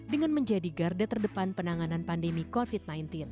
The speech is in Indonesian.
dengan menjadi garda terdepan penanganan pandemi covid sembilan belas